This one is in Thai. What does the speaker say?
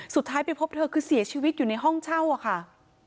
สุดท้ายไปพบเธอคือเสียชีวิตอยู่ในห้องเช่าอะค่ะ